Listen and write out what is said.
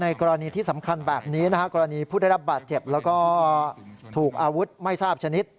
กรณีที่สำคัญแบบนี้นะฮะกรณีผู้ได้รับบาดเจ็บแล้วก็ถูกอาวุธไม่ทราบชนิด